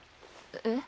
えっ？